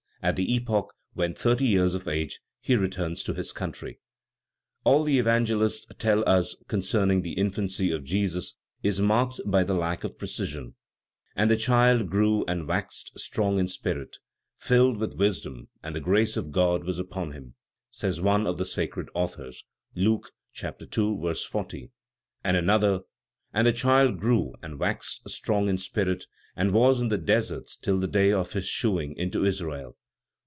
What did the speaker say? _, at the epoch, when thirty years of age, he returns to his country. All the Evangelists tell us concerning the infancy of Jesus is marked by the lack of precision: "And the child grew, and waxed strong in spirit, filled with wisdom; and the grace of God was upon him," says one of the sacred authors (Luke 2, 40), and another: "And the child grew, and waxed strong in spirit, and was in the deserts till the day of his shewing unto Israel."